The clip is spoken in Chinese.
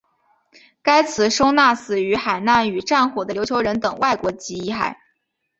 此祠收纳死于海难与战火的琉球人等外国籍遗骸。